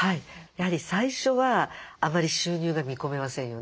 やはり最初はあまり収入が見込めませんよね。